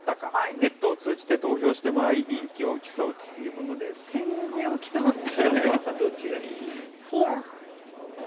ネットを通じて投票してもらい、人気を競うということです。